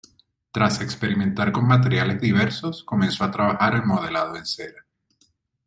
Tras experimentar con materiales diversos, comenzó a trabajar el modelado en cera.